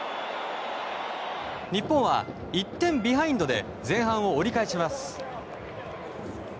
日本は１点ビハインドで前半を折り返します。